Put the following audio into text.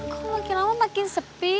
kok makin lama makin sepi